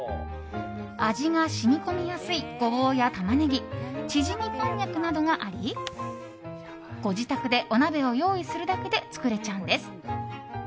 味が染み込みやすいゴボウやタマネギちぢみこんにゃくなどがありご自宅でお鍋を用意するだけで作れちゃうんです。